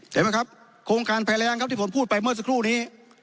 เห็นไหมครับโครงการภัยแรงครับที่ผมพูดไปเมื่อสักครู่นี้